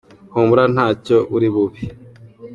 Humura ntacyo uri bube.